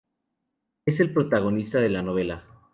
Es el protagonista de la novela.